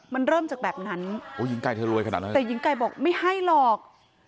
มันเริ่มจากแบบนั้นแต่หญิงไก่บอกไม่ให้หรอก